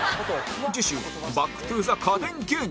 次週はバック・トゥ・ザ家電芸人